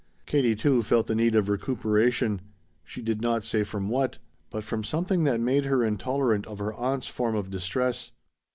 Katie, too, felt the need of recuperation she did not say from what, but from something that made her intolerant of her aunt's form of distress.